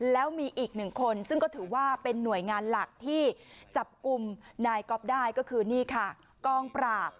แล้วมีอีกหนึ่งคนซึ่งก็ถือว่าเป็นหน่วยงานหลักที่จับกลุ่มนายก๊อฟได้ก็คือนี่ค่ะกองปราบ